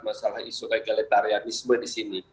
masalah isu egalitarianisme di sini